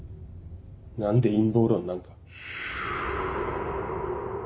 何で陰謀論なんか。